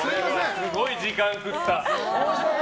すごい時間食った。